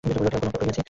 কোনো অপরাধ করিয়াছি?